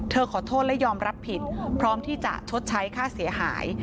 ขอโทษและยอมรับผิดพร้อมที่จะชดใช้ค่าเสียหาย